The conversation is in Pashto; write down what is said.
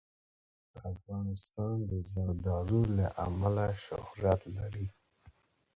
افغانستان د زردالو له امله شهرت لري.